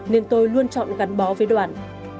nên tôi luôn chọn gắn bó với đoàn